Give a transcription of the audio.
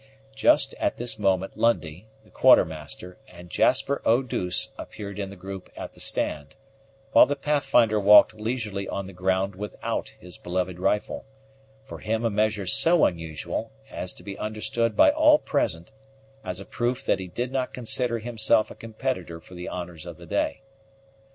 Just at this moment Lundie, the Quartermaster, and Jasper Eau douce appeared in the group at the stand, while the Pathfinder walked leisurely on the ground without his beloved rifle, for him a measure so unusual, as to be understood by all present as a proof that he did not consider himself a competitor for the honors of the day.